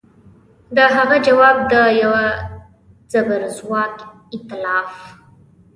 د هغه ځواب د یوه زبرځواک ایتلاف